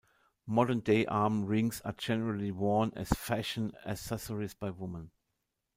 Modern day arm rings are generally worn as fashion accessories by women.